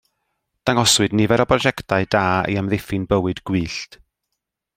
Dangoswyd nifer o brojectau da i amddiffyn bywyd gwyllt.